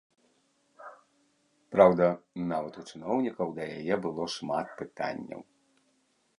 Праўда, нават у чыноўнікаў да яе было шмат пытанняў.